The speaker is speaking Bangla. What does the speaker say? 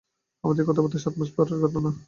আমাদের এ কথাবার্তার সাত মাস পরের ঘটনা।